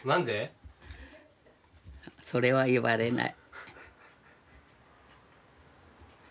それは言われない。